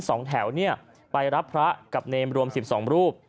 สองแถวไปรับพระกับเนรมรวม๑๒รูป